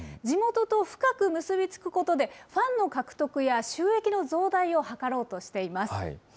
地元と深く結び付くことで、ファンの獲得や収益の増大を図ろうとしています。